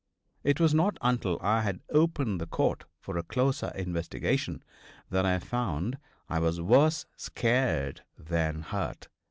It was not until I had opened the coat for a closer investigation that I found I was worse scared than hurt.